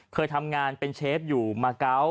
เคยทำงานเป็นเชฟอยู่มาเกาะ